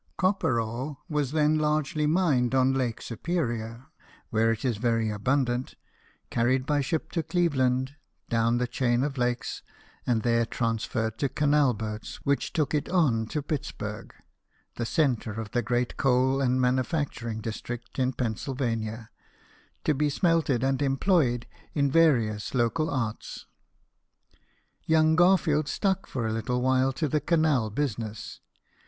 Copper ore was then largely mined on Lake Superior, where it is very abundant, carried by ship to Cleveland, down the chain of lakes, and there transferred to canal boats, which took it on to Pittsburg, the centre of a great coal and manufacturing district in Pennsylvania, to be smelted and employed in various local arts. Young Garfield stuck for a little while to the canal business.